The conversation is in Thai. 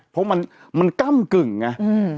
เพราะว่ามันก้ำกึ่งนะ